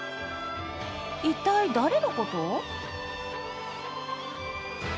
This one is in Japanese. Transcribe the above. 一体誰のこと？